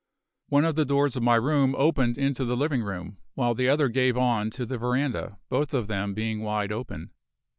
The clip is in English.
One of the doors of my room opened into the living room, while the other gave on to the veranda, both of them being wide open.